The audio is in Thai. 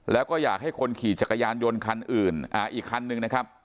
แล้วก็อยากให้คนขี่จักรยานยนต์คันอื่นอีกคันนึงนะครับ